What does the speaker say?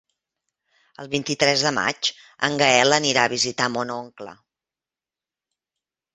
El vint-i-tres de maig en Gaël anirà a visitar mon oncle.